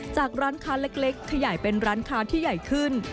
ร้านค้าเล็กขยายเป็นร้านค้าที่ใหญ่ขึ้น